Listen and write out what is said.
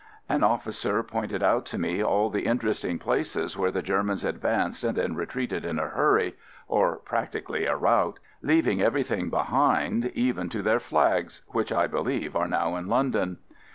An officer pointed out to me all the interesting places where the Germans advanced and then re treated in a hurry, — or practically a rout, — leaving everything behind even to their flags, which I believe are now in London.